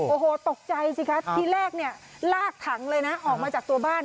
โอ้โหตกใจสิคะที่แรกเนี่ยลากถังเลยนะออกมาจากตัวบ้าน